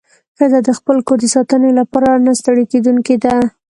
ښځه د خپل کور د ساتنې لپاره نه ستړې کېدونکې ده.